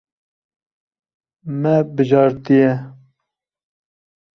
Me bijartiye.